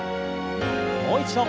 もう一度。